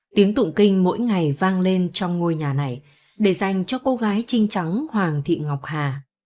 tiếng tụng kinh mỗi ngày vang lên trong ngôi nhà này để dành cho cô gái trinh trắng hoàng thị ngọc hà